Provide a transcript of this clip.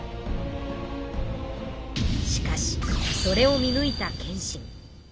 しかしそれを見ぬいた謙信。